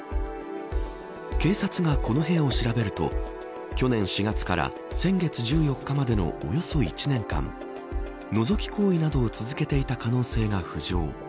警察がこの部屋を調べると去年４月から先月１４日までのおよそ１年間のぞき行為などを続けていた可能性が浮上。